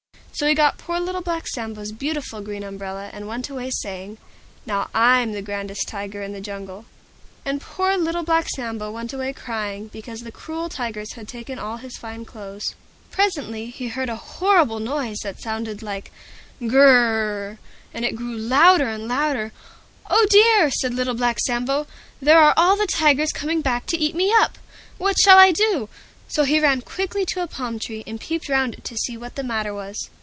So he got poor Little Black Sambo's beautiful Green Umbrella, and went away saying, "Now I'm the grandest Tiger in the Jungle." And poor Little Black Sambo went away crying, because the cruel Tigers had taken all his fine clothes. Presently he heard a horrible noise that sounded like "Gr r r r rrrrrr," and it got louder and louder. "Oh! dear!" said Little Black Sambo, "there are all the Tigers coming back to eat me up! What shall I do?" So he ran quickly to a palm tree, and peeped round it to see what the matter was.